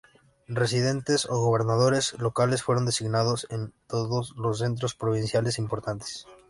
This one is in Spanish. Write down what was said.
Residentes, o gobernadores locales, fueron designados en todos los centros provinciales importantes.